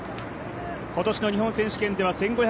今年の日本選手権では１５００ｍ６位。